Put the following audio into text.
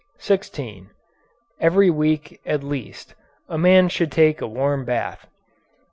16. Every week at least a man should take a warm bath.